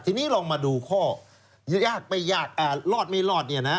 ทีนี้ลองมาดูข้อยากไม่ยากรอดไม่รอด